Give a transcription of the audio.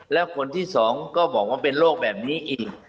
แล้วคนที่สองก็บอกว่าเป็นโรคแบบนี้อีก